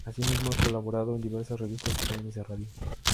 Asimismo, ha colaborado en diversas revistas y cadenas de radio.